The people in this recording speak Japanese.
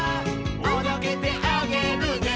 「おどけてあげるね」